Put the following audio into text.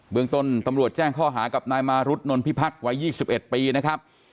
เมืองต้นตำรวจแจ้งข้อหากับนายมารุธนนพิพักษ์วัย๒๑ปีนะครับ